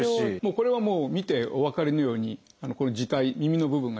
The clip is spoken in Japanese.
これはもう見てお分かりのようにここの耳介耳の部分がですね